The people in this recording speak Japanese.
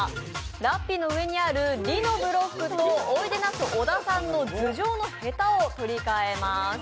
ラッピーの上にある「り」のブロックと小田さんの頭上のへたと取り替えます。